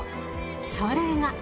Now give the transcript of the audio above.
それが。